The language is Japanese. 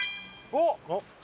おっ！